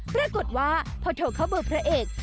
ปรากฏว่าพอโทรเข้าเบอร์พระเอก